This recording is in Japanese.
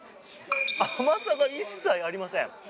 甘さが一切ありません。